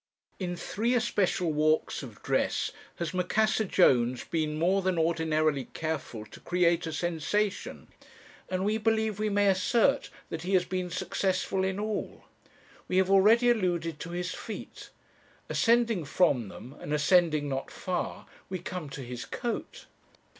"In three especial walks of dress has Macassar Jones been more than ordinarily careful to create a sensation; and we believe we may assert that he has been successful in all. We have already alluded to his feet. Ascending from them, and ascending not far, we come to his coat.